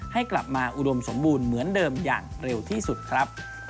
ให้กลับมาอุดมสมบูรณ์เหมือนเดิมอย่างเร็วที่สุดครับ